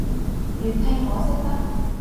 粵拼我識得